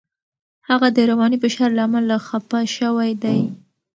هغه د رواني فشار له امله خپه شوی دی.